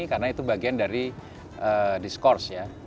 karena itu bagian dari diskurs ya